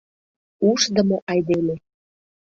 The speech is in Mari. — Ушдымо айдеме!